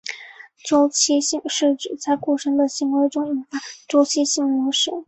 周期性是指在过程的行为中引发周期性模式。